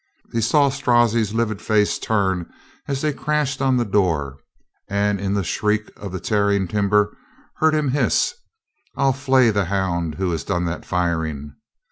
He saw Strozzi's livid face turn as they crashed on the door and in the shriek of the tearing timber heard him hiss, "I'll flay the hound who has done that firing."